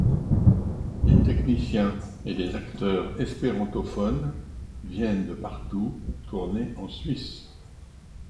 Des techniciens et des acteurs espérantophones viennent de partout tourner en Suisse.